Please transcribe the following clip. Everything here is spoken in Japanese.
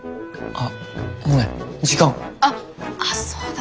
あっそうだ。